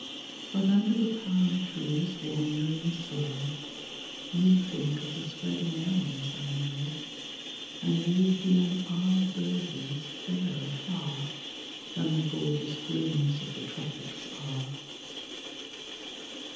But under the palm trees wandering slow, You think of the spreading elms I know ; And you deem our daisies fairer far Than the gorgeous blooms of the tropics are